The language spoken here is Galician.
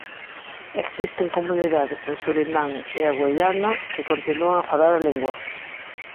Existen comunidades en Suriname e a Güiana que continúan a falar a lingua.